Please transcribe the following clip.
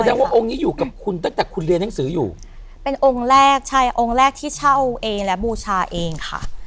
ว่าองค์นี้อยู่กับคุณตั้งแต่คุณเรียนหนังสืออยู่เป็นองค์แรกใช่องค์แรกที่เช่าเองและบูชาเองค่ะ